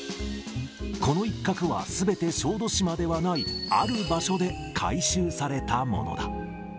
この一角はすべて小豆島ではないある場所で回収されたものだ。